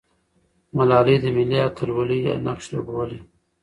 ملالۍ د ملي اتلولۍ نقش لوبولی.